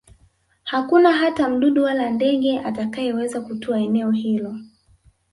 Hakuna hata mdudu wala ndege atakayeweza kutua eneo hilo